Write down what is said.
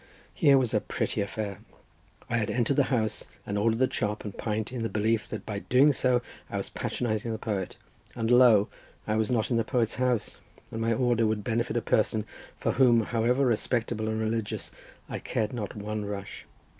Here was a pretty affair! I had entered the house and ordered the chop and pint in the belief that by so doing I was patronising the poet, and lo, I was not in the poet's house, and my order would benefit a person for whom, however respectable and religious, I cared not one rush.